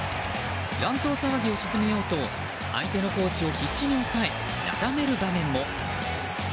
乱闘騒ぎを鎮めようと相手のコーチを必死に押さえなだめる場面も。